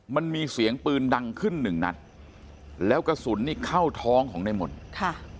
มันมีเสียงปืนดังขึ้นหนึ่งนัดแล้วกระสุนนี่เข้าท้องของในมนต์ค่ะ